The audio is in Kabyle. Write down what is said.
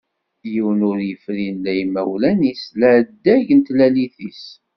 Yiwen ur yefrin la imawlan-is la adeg n tlalit-is.